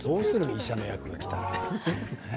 医者の役がきたら。